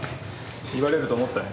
言われると思ったんや。